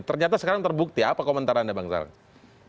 ternyata sekarang terbukti apa komentar anda bang saleh